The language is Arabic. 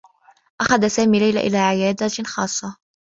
أخذ سامي ليلى إلى عيادة خاصّة.